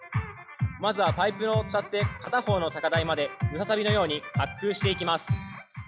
まずはパイプを伝って片方の高台までムササビのように滑空していきます。